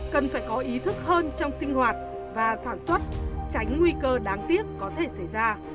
cần phải có ý thức hơn trong sinh hoạt và sản xuất tránh nguy cơ đáng tiếc có thể xảy ra